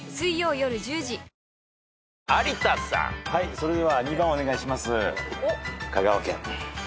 それでは２番お願いします。